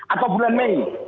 atau bulan mei